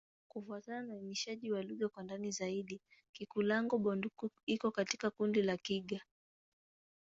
Kufuatana na uainishaji wa lugha kwa ndani zaidi, Kikulango-Bondoukou iko katika kundi la Kigur.